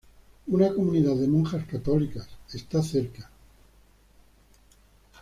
Una comunidad de monjas católicas, está cerca.